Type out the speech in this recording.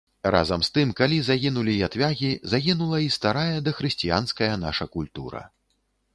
Разам з тым, калі загінулі ятвягі, загінула і старая дахрысціянская наша культура.